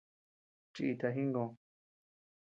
Chiíta jingö.